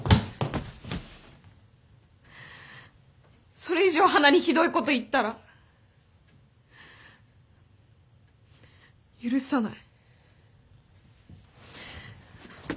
それ以上花にひどいこと言ったら許さない。